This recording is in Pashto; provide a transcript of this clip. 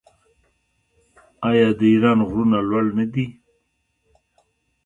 آیا د ایران غرونه لوړ نه دي؟